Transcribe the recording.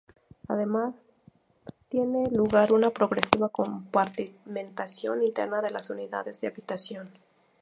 Además, tiene lugar una progresiva compartimentación interna de las unidades de habitación.